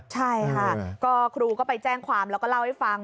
ใช่ค่ะก็ครูก็ไปแจ้งความแล้วก็เล่าให้ฟัง